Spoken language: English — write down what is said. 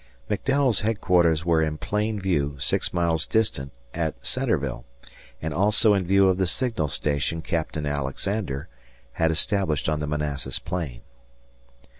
McDowell's headquarters were in plain view six miles distant at Centreville and also in view of the signal station Captain Alexander had established on the Manassas plain.